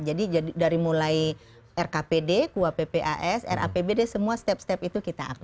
jadi dari mulai rkpd kuappas rapbd semua step step itu kita upload